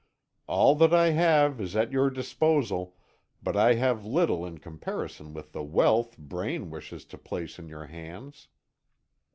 All that I have is at your disposal, but I have little in comparison with the wealth Braine wishes to place in your hands."